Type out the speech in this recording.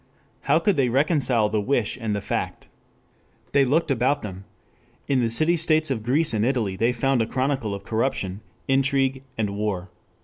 How could they reconcile the wish and the fact? They looked about them. In the city states of Greece and Italy they found a chronicle of corruption, intrigue and war.